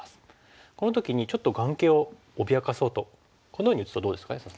この時にちょっと眼形を脅かそうとこのように打つとどうですか安田さん。